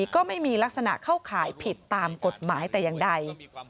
ก็ไม่มีลักษณะเข้าข่ายผิดตามกฎหมายแต่อย่างใด